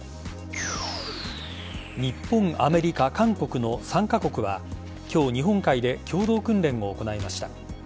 日本、アメリカ、韓国の３カ国は今日、日本海で共同訓練を行いました。